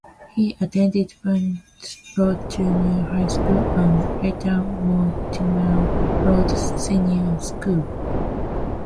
He attended Barnes Road Junior School and later Mortimer Road Senior School.